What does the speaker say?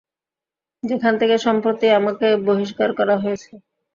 যেখান থেকে সম্প্রতি আমাকে বহিষ্কার করা হয়েছে।